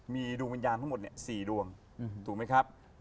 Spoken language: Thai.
มีดวงวิญญาณทั้งหมด๔ดวงถูกไหมครับ